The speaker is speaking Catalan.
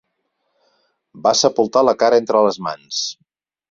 Va sepultar la cara entre les mans.